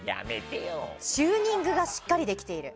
チューニングがしっかりできている。